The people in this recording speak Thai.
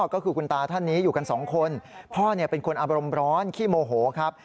ก็คือคุณตาท่านนี้อยู่กันสองคนพ่อเป็นคนอารมณ์ร้อนขี้โมโหครับ